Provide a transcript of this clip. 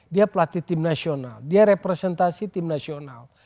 dia pelatih timnasional dia representasi timnasional